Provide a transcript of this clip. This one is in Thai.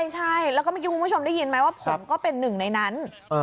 ใช่แล้วก็เมื่อกี้คุณผู้ชมได้ยินไหมว่าผมก็เป็นหนึ่งในนั้น